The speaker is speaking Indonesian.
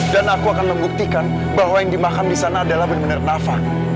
dan aku akan membuktikan bahwa yang dimakam di sana adalah benar benar nafa